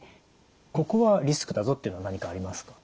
ここはリスクだぞというのは何かありますか？